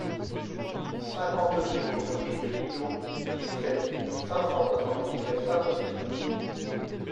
cinquante-deux route de l'Ilot, dix-sept, cinq cent soixante-dix à Saint-Augustin